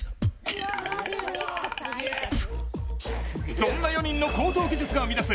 そんな４人の高等技術が生み出す